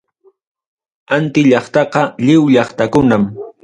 Anti llaqtaqa, lliw llaqtakunam.